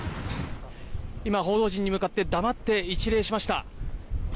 今、報道陣に向かって黙って一礼しました。